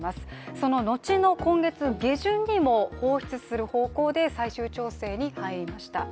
そののちの今月下旬にも放出する方向で最終調整に入りました。